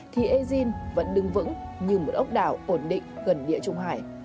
thì egin vẫn đứng vững như một ốc đảo ổn định gần địa trung hải